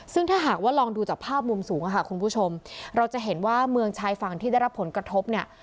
ซึ่งถ้าหากว่าลองดูจากภาพมุมสูงค่ะคุณผู้ชมเราจะเห็นว่าเมืองชายฝั่งที่ได้รับผลกระทบเนี่ย